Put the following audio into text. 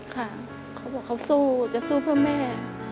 เขาบอกเขาสู้จะสู้เพื่อแม่